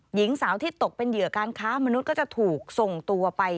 หญิงสาวที่ตกเป็นเหยื่อการค้ามนุษย์ก็จะถูกส่งตัวไป